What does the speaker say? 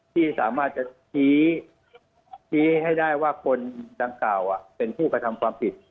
ที่สามารถจะชี้ให้ได้ว่าคนดังกล่าวเป็นผู้กระทำความผิด